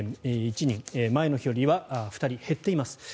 前の日よりは２人減っています。